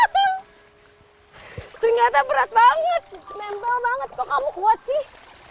ternyata berat banget nempel banget kok kamu kuat sih